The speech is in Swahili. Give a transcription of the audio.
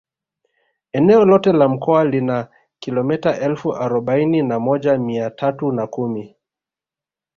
Eneo lote la mkoa lina kilometa elfu arobaini na moja mia tatu na kumi